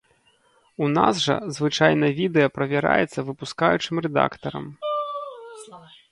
У нас жа звычайна відэа правяраецца выпускаючым рэдактарам.